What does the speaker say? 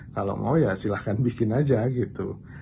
kalau mau ya silahkan bikin aja gitu